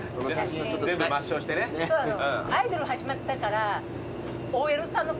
そうなの。